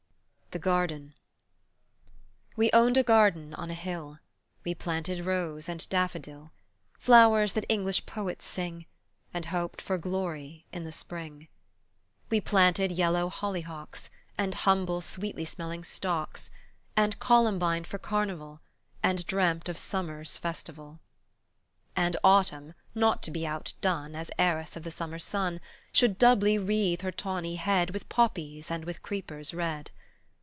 THE GARDEN We owned a garden on a hill, We planted rose and daffodil, Flowers that English poets sing, And hoped for glory in the Spring. We planted yellow hollyhocks, And humble sweetly smelling stocks, And columbine for carnival, And dreamt of Summer's festival. And Autumn not to be outdone As heiress of the summer sun, Should doubly wreathe her tawny head With poppies and with creepers red.